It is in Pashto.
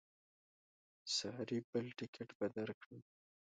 ساري بل ټکټ به درکړم.